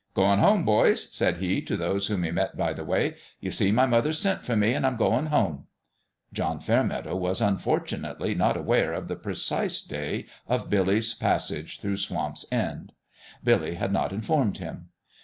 " Goin' home, boys," said he, to those whom he met by the way. " Ye see, my mother's sent fer me, an' I'm goin' home." John Fairmeadow was un fortunately not aware of the precise day of Billy's passage through Swamp's End. Billy had not informed him.